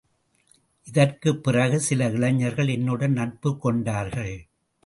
இதற்குப் பிறகு சில இளைஞர்கள் என்னுடன் நட்புக் கொண்டார்கள்.